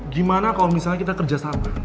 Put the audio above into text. gimana kalo misalnya kita kerja sama